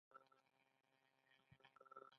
د کندهار انګور کوم ډولونه لري؟